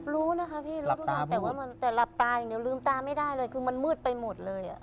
รู้นะครับพี่แต่ว่าแต่หลับตาอย่างเดียวลืมตาไม่ได้เลยคือมันมืดไปหมดเลย